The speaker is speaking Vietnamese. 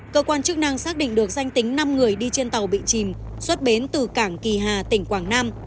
cơ quan chức năng xác định được danh tính năm người đi trên tàu bị chìm xuất bến từ cảng kỳ hà tỉnh quảng nam